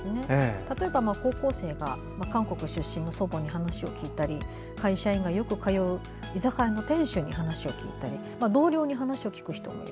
例えば高校生が韓国出身の祖母に話を聞いたり、会社員がよく通う居酒屋の店主に話を聞いたり同僚に話を聞く人もいる。